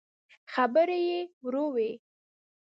خبرې به يې ورو وې.